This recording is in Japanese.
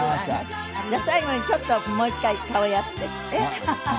じゃあ最後にちょっともう１回顔やって。